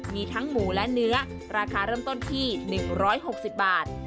มีทั้งหมูและเนื้อราคาเริ่มต้นที่๑๖๐บาท